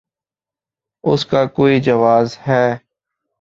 اس کا کوئی جواز ہے؟